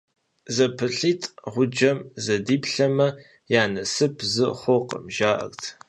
ЗэпылъитӀ гъуджэм зэдиплъэмэ, я насып зы хъуркъым, жаӀэрт.